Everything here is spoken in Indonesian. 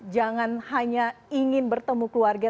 jangan hanya ingin bertemu keluarga